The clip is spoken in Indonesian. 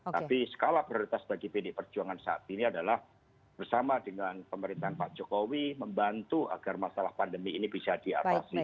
tapi skala prioritas bagi pd perjuangan saat ini adalah bersama dengan pemerintahan pak jokowi membantu agar masalah pandemi ini bisa diatasi